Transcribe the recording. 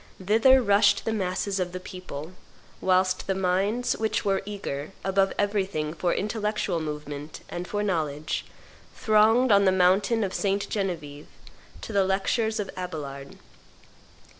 Thither rushed the masses of the people, whilst the minds which were eager, above everything, for intellectual movement and for knowledge, thronged, on the mountain of St. Genevieve, to the lectures of Abelard.